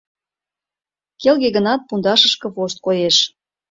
Келге гынат, пундашышке вошт коеш.